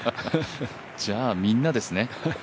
じゃあ、みんなですね。